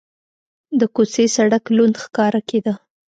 د کوڅې سړک لوند ښکاره کېده.